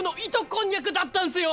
こんにゃくだったんすよ！